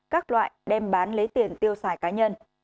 các loại đem bán lấy tiền tiêu xài cá nhân